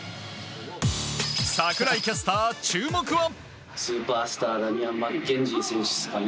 櫻井キャスター、注目は。